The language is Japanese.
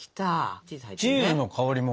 チーズの香りも。